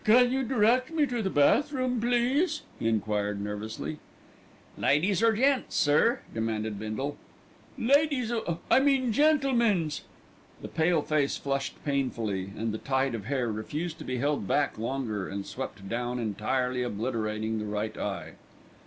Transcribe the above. "C c can you direct me to the bath room, please?" he enquired nervously. "Ladies' or gents', sir?" demanded Bindle. "Ladies', of I mean gentlemen's." The pale face flushed painfully, and the tide of hair refused to be held back longer and swept down, entirely obliterating the right eye.